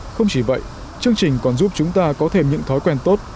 không chỉ vậy chương trình còn giúp chúng ta có thêm những thói quen tốt